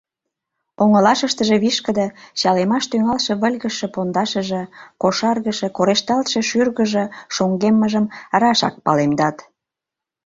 Оҥылашыштыже вишкыде, чалемаш тӱҥалше выльгыжше пондашыже, кошаргыше, корешталше шӱргыжӧ шоҥгеммыжым рашак палемдат.